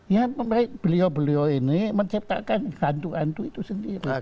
ya beliau beliau ini menciptakan hantu hantu itu sendiri